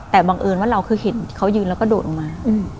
แต่บังเอิญว่าเราคือเห็นเขายืนแล้วก็โดดลงมา